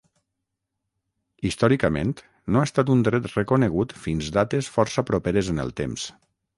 Històricament, no ha estat un dret reconegut fins dates força properes en el temps.